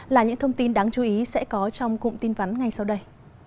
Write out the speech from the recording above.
là những thông tin đáng chú ý sẽ có trong cụm tin vắn ngay sau đây